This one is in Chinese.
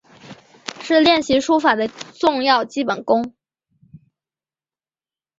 是练习书法的重要基本功。